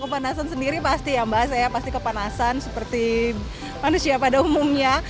kepanasan sendiri pasti ya mbak saya pasti kepanasan seperti manusia pada umumnya